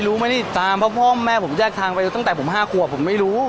เราได้ทราบไหมครับว่ามีคนแบบ